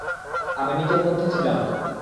আমি নিজের মধ্যে ছিলাম না!